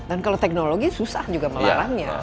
dan kalau teknologi susah juga melarangnya